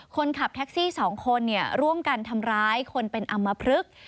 คนขับแท็กซี่๒คนร่วมกันทำร้ายคนเป็นอำมพลึก